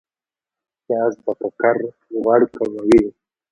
پیاز د ککر غوړ کموي